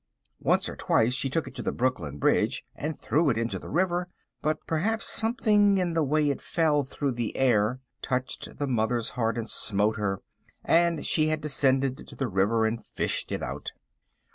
Once or twice she took it to the Brooklyn Bridge and threw it into the river, but perhaps something in the way it fell through the air touched the mother's heart and smote her, and she had descended to the river and fished it out.